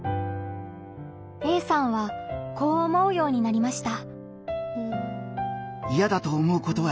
Ａさんはこう思うようになりました。